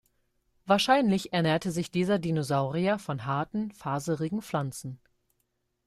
Wahrscheinlich ernährte sich dieser Dinosaurier von harten, faserigen Pflanzen.